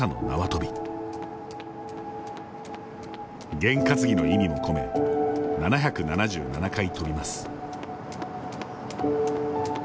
験担ぎの意味も込め７７７回跳びます。